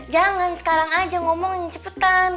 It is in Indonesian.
jangan sekarang aja ngomongin cepetan